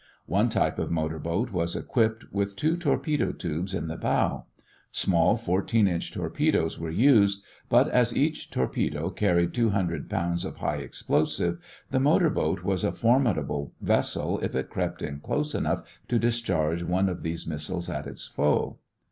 One type of motor boat was equipped with two torpedo tubes in the bow. Small 14 inch torpedoes were used, but as each torpedo carried two hundred pounds of high explosive, the motor boat was a formidable vessel if it crept in close enough to discharge one of these missiles at its foe.